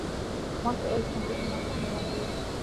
mwaka elfu mbili na kumi na mbili